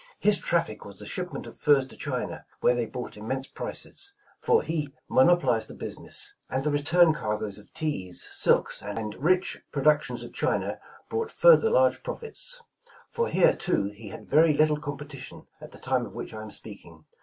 His traffic was the ship ment of furs to China, where they brought immense prices, for he monopolized the business; and the return cargoes of teas, silks and rich productions of China brought further large profits; for here, too, he had Tery little competition at the time of which I am speak ing.